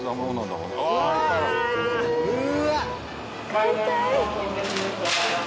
買いたい！